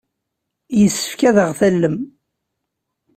Yessefk ad aɣ-tallem.